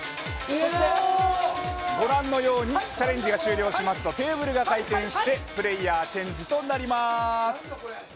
ご覧のようにチャレンジが終了しますとテーブルが回転してプレーヤーチェンジとなります。